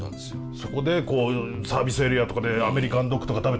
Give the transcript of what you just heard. そこでこういうサービスエリアとかでアメリカンドッグとか食べて。